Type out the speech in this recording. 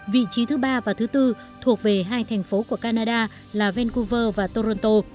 vị trí thứ ba và thứ bốn thuộc về hai thành phố của canada là vancouver và toronto